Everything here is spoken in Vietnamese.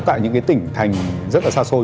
tại những tỉnh thành rất là xa xôi